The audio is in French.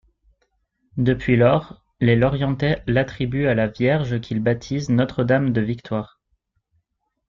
Depuis lors, les Lorientais l'attribuent à la Vierge qu'ils baptisent Notre-Dame de Victoire.